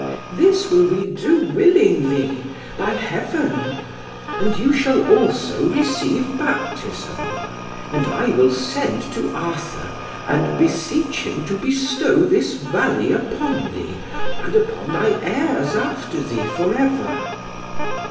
"This will we do willingly, by Heaven." "And you shall also receive baptism; and I will send to Arthur, and beseech him to bestow this valley upon thee, and upon thy heirs after thee for ever."